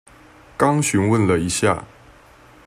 剛詢問了一下